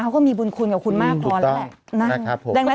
เขาก็มีบุญคุณกับคุณมากพอแล้วแหละ